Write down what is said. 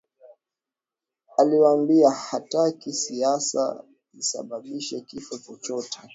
Aliwaambia hataki siasa zisababishe kifo chochote